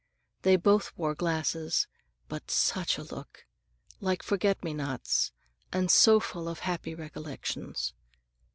They both wore glasses, but such a look! Like forget menots, and so full of happy recollections.